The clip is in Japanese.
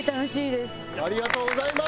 ありがとうございます。